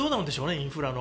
インフラの。